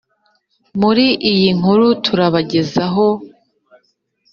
muri iyi nkuru turabagezaho